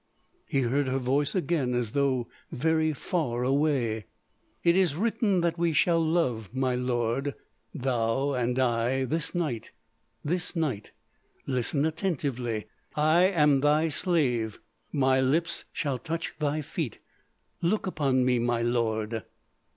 He heard her voice again as though very far away: "It is written that we shall love, my lord—thou and I—this night—this night. Listen attentively. I am thy slave. My lips shall touch thy feet. Look upon me, my lord!"